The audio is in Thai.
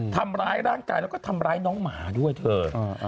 ทำร้ายร่างกายแล้วก็ทำร้ายน้องหมาด้วยเธอ